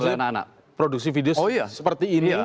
maksudnya produksi video seperti ini ya